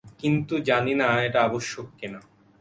কিন্তু জানি না এটা আবশ্যক কি না।